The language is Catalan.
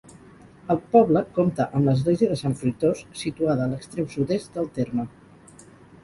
El poble compta amb l'església de Sant Fruitós, situada a l'extrem sud-est del terme.